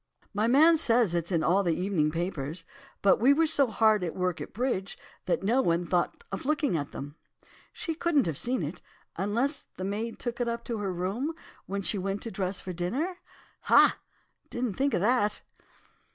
"'My man says it's in all the evening papers, but we were so hard at work at bridge, that no one thought of looking at them. She couldn't have seen it, unless the maid took it up to her room when she went to dress for dinner. Ha! didn't think of that.